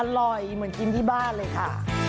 อร่อยเหมือนกินที่บ้านเลยค่ะ